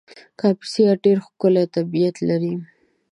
کاپیسا ډېر ښکلی طبیعت لري